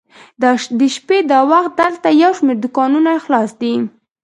د شپې دا وخت دلته یو شمېر دوکانونه خلاص دي.